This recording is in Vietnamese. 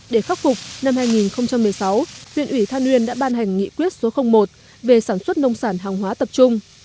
để khắc phục năm hai nghìn một mươi sáu huyện ủy than uyên đã ban hành nghị quyết số một về sản xuất nông sản hàng hóa tập trung